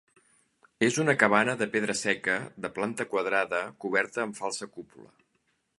És una cabana de pedra seca de planta quadrada coberta amb falsa cúpula.